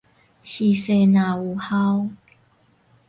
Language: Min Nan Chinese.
序細若有孝